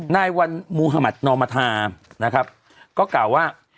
นายวันมุธมัธนอมธานะครับก็กล่าวว่า